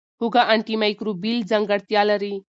هوږه انټي مایکروبیل ځانګړتیا لري.